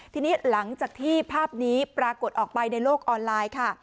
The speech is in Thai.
ทีนี้หลังจากที่ภาพนี้ปรากฏออกไปในโลกออนไลน์ค่ะ